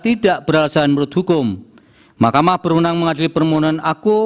tidak beralasan menurut hukum mahkamah berwenang mengadili permohonan aku